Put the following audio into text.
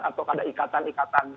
atau ada ikatan ikatan